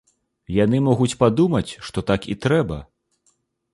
Яны могуць падумаць, што так і трэба.